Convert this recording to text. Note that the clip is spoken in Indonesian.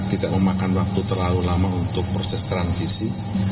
tidak memakan waktu terlalu lama untuk proses transisi